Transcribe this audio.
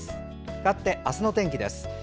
かわって、明日の天気です。